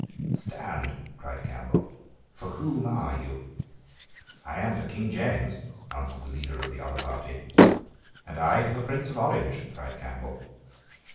"Stand," cried Campbell: "for whom are you?" "I am for King James," answered the leader of the other party. "And I for the Prince of Orange," cried Campbell.